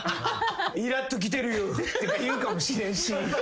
「いらっときてるよ」とか言うかもしれんし。